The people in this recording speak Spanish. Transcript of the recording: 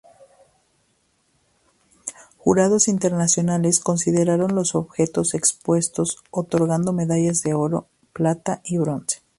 Jurados internacionales consideraron los objetos expuestos otorgando medallas de oro, plata y bronce.